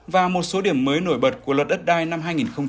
và một số điểm mới nổi bật của luật ất đai năm hai nghìn hai mươi bốn